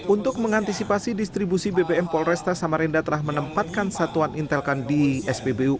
untuk mengantisipasi distribusi bbm polresta samarinda telah menempatkan satuan intelkan di spbu